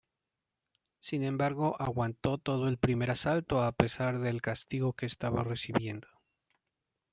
Sin embargo, aguantó todo el primer asalto a pesar del castigo que estaba recibiendo.